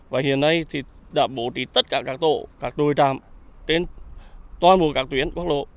và hiện nay thì đã bổ tí tất cả các tổ các đôi ràm trên toàn bộ các tuyến quốc lộ